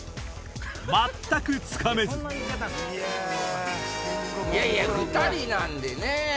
全くつかめずいやいや２人なんでねぇ。